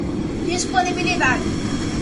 disponibilidade